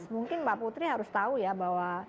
mungkin mbak putri harus tahu ya bahwa